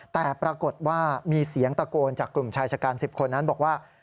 แต่ปรากฏว่ามีเสียงตะโกนจากกลุ่มชายชะกัน๑๐คนนั้นบอกว่า